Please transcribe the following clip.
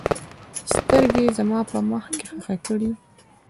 سترګې یې زما په مخ کې ښخې کړې.